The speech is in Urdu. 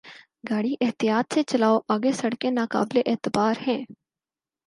گاڑی احتیاط سے چلاؤ! آگے سڑکیں ناقابل اعتبار ہیں۔